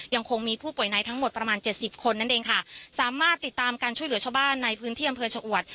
ยังคงมีผู้ป่วยในทั้งหมดประมาณเจ็ดสิบคนนั่นเองค่ะสามารถติดตามการช่วยเหลือชาวบ้านในพื้นที่อำเภอชะอวด